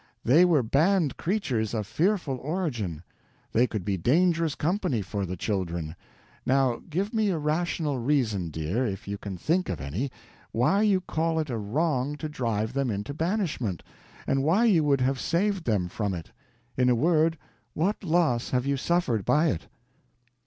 They were banned creatures, of fearful origin; they could be dangerous company for the children. Now give me a rational reason, dear, if you can think of any, why you call it a wrong to drive them into banishment, and why you would have saved them from it. In a word, what loss have you suffered by it?"